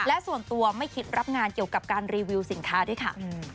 และส่วนตัวไม่คิดรับงานเกี่ยวกับการรีวิวสินค้าด้วยค่ะ